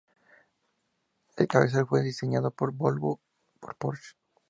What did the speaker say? El cabezal fue diseñado para Volvo por Porsche.